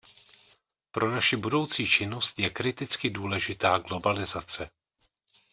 Pro naši budoucí činnost je kriticky důležitá globalizace.